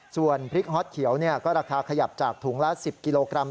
ส่วนพริกฮอตเขียวก็ราคาขยับจากถุงละ๑๐กิโลกรัม